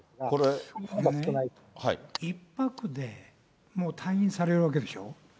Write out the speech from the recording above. これ、１泊でもう退院されるわけでしょ。